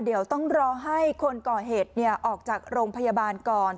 เดี๋ยวต้องรอให้คนก่อเหตุออกจากโรงพยาบาลก่อน